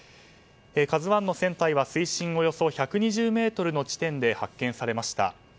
「ＫＡＺＵ１」の船体は水深およそ１２０ｍの地点で発見されました。